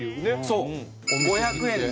そう５００円で。